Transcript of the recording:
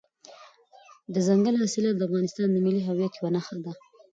دځنګل حاصلات د افغانستان د ملي هویت یوه نښه ده.